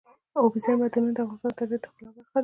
اوبزین معدنونه د افغانستان د طبیعت د ښکلا برخه ده.